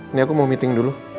ini aku mau meeting dulu